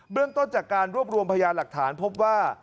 เรื่องต้นจากการรวบรวมพยานหลักฐานพบว่า